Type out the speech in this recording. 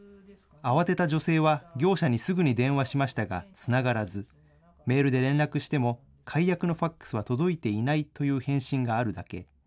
慌てた女性は業者にすぐに電話しましたがつながらずメールで連絡しても解約のＦＡＸは届いていないという返信があるだけ。